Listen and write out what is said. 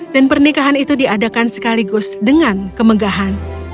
pernikahan itu diadakan sekaligus dengan kemegahan